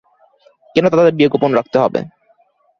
কেন তাদের বিয়ে গোপন রাখতে হবে?